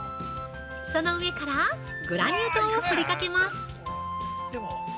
その上からグラニュー糖をふりかけます。